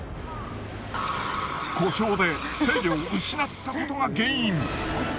故障で制御を失ったことが原因。